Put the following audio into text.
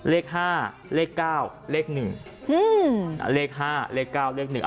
เลขห้าเลขเก้าเลขหนึ่งอืมเลขห้าเลขเก้าเลขหนึ่ง